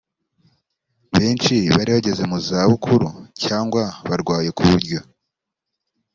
benshi bari bageze mu za bukuru cyangwa barwaye ku buryo